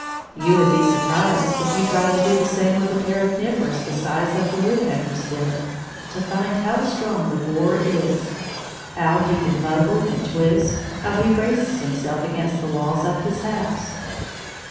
You would be surprised, if you tried to do the same with a pair of nippers the size of the woodpecker's bill, to find how strong the borer is, how he can buckle and twist, how he braces himself against the walls of his house.